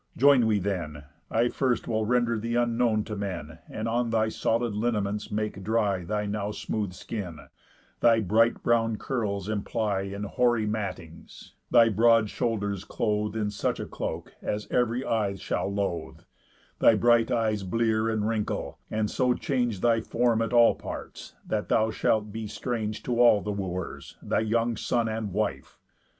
Join we then: I first will render thee unknown to men, And on thy solid lineaments make dry Thy now smooth skin; thy bright brown curls imply In hoary mattings; thy broad shoulders clothe In such a cloak as ev'ry eye shall lothe; Thy bright eyes blear and wrinkle; and so change Thy form at all parts, that thou shalt be strange To all the Wooers, thy young son, and wife.